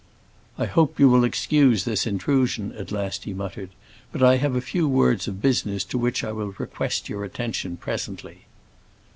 "I hope you will excuse this intrusion," at last he muttered; "but I have a few words of business to which I will request your attention presently."